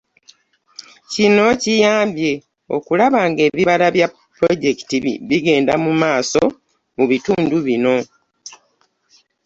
Kino kiyambye okulaba ng'ebibala bya pulojekiti bigenda mu maaso mu bitundu bino.